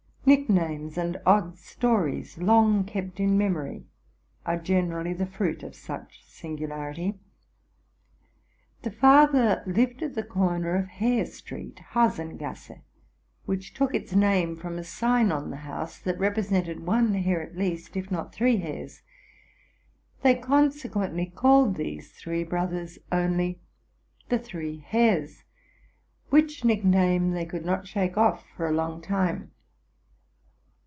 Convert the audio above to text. | Nicknames and odd stories, long kept in memory, are generally the fruit of such singularity. The father lived at the corner of Hare Street (Hasengasse), which took its name from a sign on the house, that represented one hare at least, if not three hares. They consequently called these three brothers only the three Hares, which nickname they could not shake off for a long while.